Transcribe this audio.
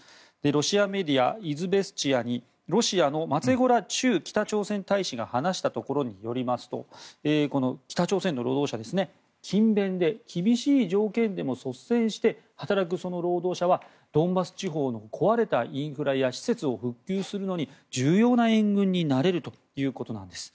ロシアメディアイズベスチヤにロシアのマツェゴラ駐北朝鮮大使が話したところによりますとこの北朝鮮の労働者勤勉で厳しい条件でも率先して働くその労働者はドンバス地方の壊れたインフラや施設を復旧するのに重要な援軍になれるということなんです。